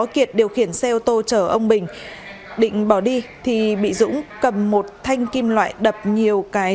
khiến xe ô tô chở ông bình định bỏ đi thì bị dũng cầm một thanh kim loại đập nhiều cái